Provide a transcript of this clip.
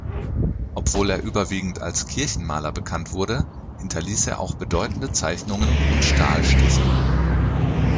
Obwohl er überwiegend als Kirchenmaler bekannt wurde, hinterließ er auch bedeutende Zeichnungen und Stahlstiche.